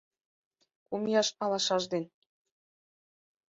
Кум ияш алашаж ден